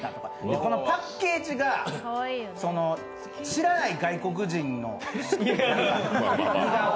このパッケージが、知らない外国人の似顔絵。